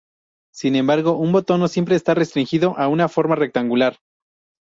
Sin embargo, un botón no siempre está restringido a una forma rectangular.